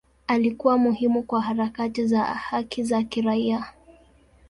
Alikuwa muhimu kwa harakati za haki za kiraia.